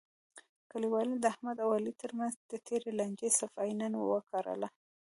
کلیوالو د احمد او علي ترمنځ د تېرې لانجې صفایی نن وکړله.